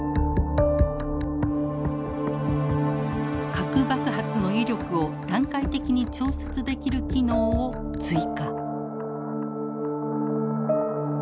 核爆発の威力を段階的に調節できる機能を追加。